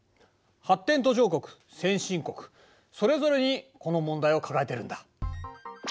発展途上国先進国それぞれにこの問題を抱えてるんだ。